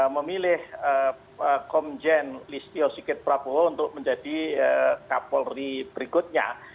memilih komjen listio sikit prabowo untuk menjadi kapolri berikutnya